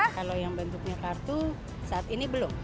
kalau yang bentuknya kartu saat ini belum